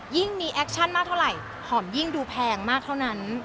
ยิ่งมีแอคชั่นมากเท่าไหร่หอมยิ่งดูแพงมากเท่านั้น